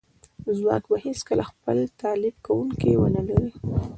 ځواک به هیڅکله خپل تالیف کونکی ونه لري